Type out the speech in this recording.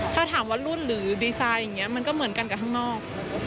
ถ้าถามว่ารุ่นหรือดีไซน์อย่างนี้มันก็เหมือนกันกับข้างนอก